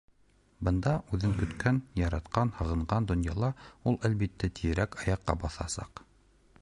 Бында, үҙен көткән, яратҡан, һағынған донъяла, ул, әлбиттә, тиҙерәк аяҡҡа баҫасаҡ.